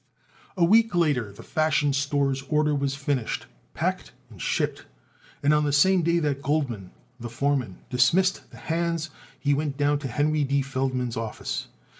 A week later the Fashion Store's order was finished, packed and shipped; and on the same day that Goldman, the foreman, dismissed the hands he went down to Henry D. Feldman's office.